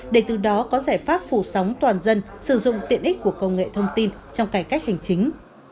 để từ đó có giải pháp phủ sóng toàn dân sử dụng tiện ích của công nghệ thông tin trong cải cách hành chính